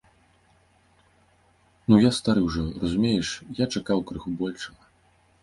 Ну, я стары ўжо, разумееш, я чакаў крыху большага.